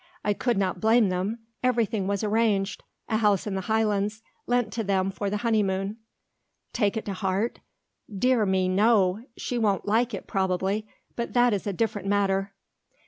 I could not blame them. Everything was arranged; a house in the Highlands lent to them for the honeymoon." "Take it to heart? Dear me no; she won't like it, probably; but that is a different matter."